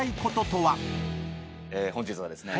本日はですね。